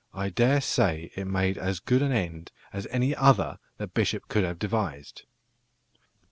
I daresay it made as good an end as any other that Bishop could have devised.